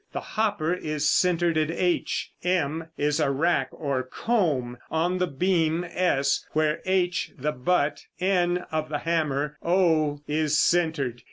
The hopper is centered at h. M is a rack or comb on the beam, s, where, h, the butt, n, of the hammer, o, is centered.